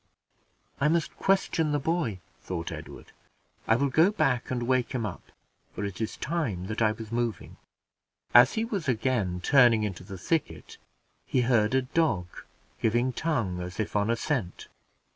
"I must question the boy," thought Edward. "I will go back and wake him up, for it is time that I was moving." As he was again turning into the thicket, he heard a dog giving tongue, as if on a scent.